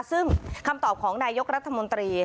ซึ่งคำตอบของนายกรัฐมนตรี